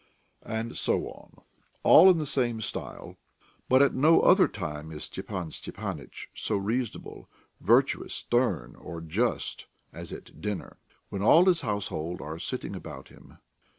And so on, all in the same style. But at no other time is Stepan Stepanitch so reasonable, virtuous, stern or just as at dinner, when all his household are sitting about him.